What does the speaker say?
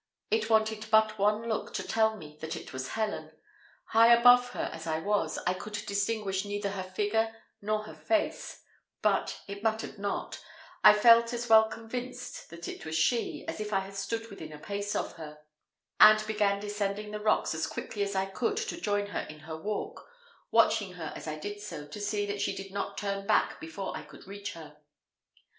It wanted but one look to tell me that it was Helen. High above her as I was, I could distinguish neither her figure nor her face; but it mattered not I felt as well convinced that it was she, as if I had stood within a pace of her, and began descending the rocks as quickly as I could to join her in her walk, watching her as I did so, to see that she did not turn back before I could reach her.